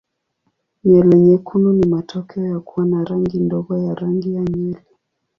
Nywele nyekundu ni matokeo ya kuwa na rangi ndogo ya rangi ya nywele.